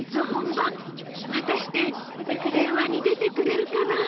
［果たして電話に出てくれるかな？］